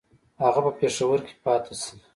هغه په پېښور کې پاته شي.